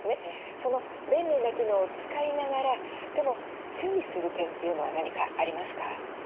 その便利な機能を使いながらでも注意する点というのは何かありますか？